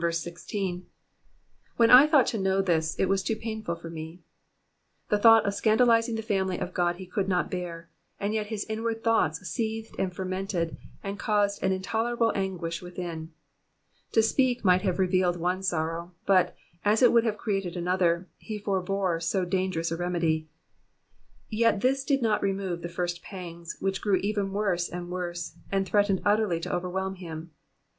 ''''When I thought to know this, it was too painful for me.'* ^ The thought of scandalising the family of God he could not bear, and yet liis inward thoughts seethed and fermented, and caused an intolerable anguish within. 'I'o speak might have relieved one sorrow, but, as it would have created another, he forbore so dangerous a remedy ; yet this did not remove the first pangs, which grew even worse and worse, and threatened utterly to overwhelm him.